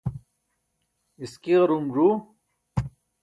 iski ġarum ẓu.